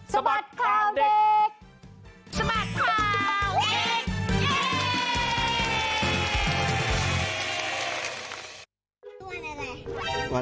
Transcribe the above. สบัดข่าวเด็ก